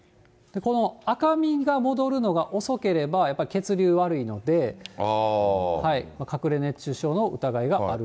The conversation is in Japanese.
この赤みが戻るのが遅ければやっぱり血流悪いので、隠れ熱中症の疑いがあると。